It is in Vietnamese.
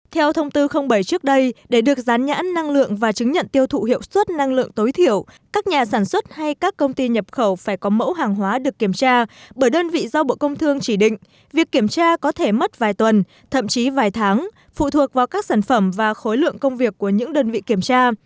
theo thông tư bảy trước đây để được gián nhãn năng lượng và chứng nhận tiêu thụ hiệu suất năng lượng tối thiểu các nhà sản xuất hay các công ty nhập khẩu phải có mẫu hàng hóa được kiểm tra bởi đơn vị do bộ công thương chỉ định việc kiểm tra có thể mất vài tuần thậm chí vài tháng phụ thuộc vào các sản phẩm và khối lượng công việc của những đơn vị kiểm tra